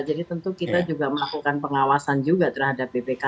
jadi tentu kita juga melakukan pengawasan juga terhadap bpkh gitu